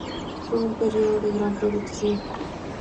Fue un periodo de gran producción.